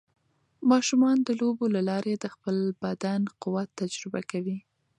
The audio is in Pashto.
ماشومان د لوبو له لارې د خپل بدن قوت تجربه کوي.